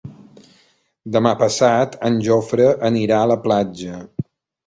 Demà passat en Jofre anirà a la platja.